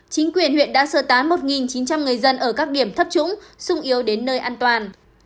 chính quyền huyện đã sơ tán một chín trăm linh người dân ở các điểm thấp trũng sung yếu đến nơi an toàn